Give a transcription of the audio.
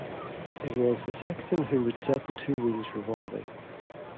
It was the Sexton who would set the two wheels revolving.